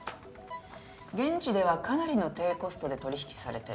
現地ではかなりの低コストで取り引きされてる。